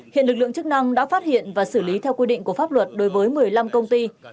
hiện lực lượng chức năng đã phát hiện và xử lý theo quy định của pháp luật đối với một mươi năm công ty